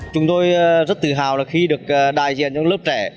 chúng tôi rất tự hào là khi được đại diện trong lớp trẻ